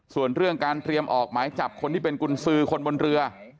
ส่วนเรื่องการเตรียมออกหมายจับคนที่เป็นกุญสือคนบนเรือ